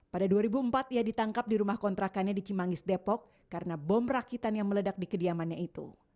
pada dua ribu empat ia ditangkap di rumah kontrakannya di cimanggis depok karena bom rakitan yang meledak di kediamannya itu